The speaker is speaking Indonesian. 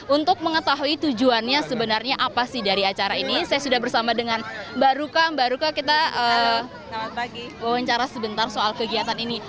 untuk mengetahui tujuannya sebenarnya apa sih dari acara ini saya sudah bersama dengan mbak ruka mbak ruka kita wawancara sebentar soal kegiatan ini